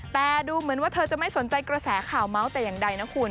แต่ดูเหมือนว่าเธอจะไม่สนใจกระแสข่าวเมาส์แต่อย่างใดนะคุณ